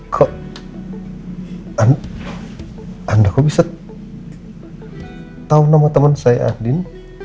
kok anda bisa tahu nama temen saya andin